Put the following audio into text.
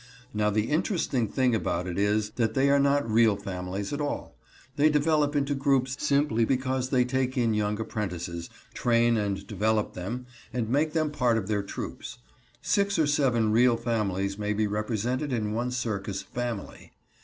Now the interesting thing about it is that they are not real families at all. They develop into groups simply because they take in young apprentices, train and develop them, and make them part of their troupes. Six or seven real families may be represented in one circus "family."